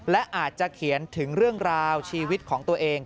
และอาจจะเขียนถึงเรื่องราวชีวิตของตัวเอง